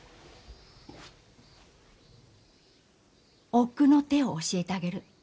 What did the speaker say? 奥の手を教えてあげる。